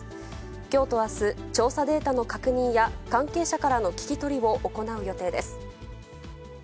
きょうとあす、調査データの確認や、関係者からの聞き取りを行う予定です。